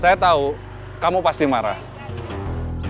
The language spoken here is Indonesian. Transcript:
saya tahu kamu pasti marah saya tahu kamu pasti marah